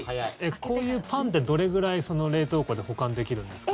こういうパンってどれくらい冷凍庫で保管できるんですか？